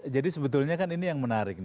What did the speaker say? jadi sebetulnya kan ini yang menarik